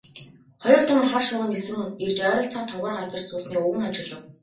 Хоёр том хар шувуу нисэн ирж ойролцоох товгор газарт суусныг өвгөн ажиглав.